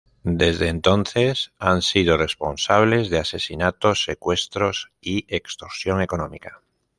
Desde entonces, han sido responsables de asesinatos, secuestros y extorsión económica.